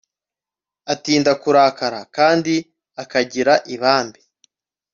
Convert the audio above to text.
atinda kurakara, kandi akagira ibambe